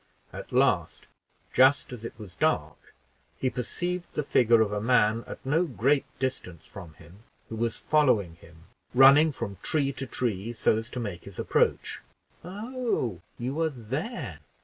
At last, just as it was dark, he perceived the figure of a man at no great distance from him, who was following him, running from tree to tree, so as to make his approach. "Oh, you are there!"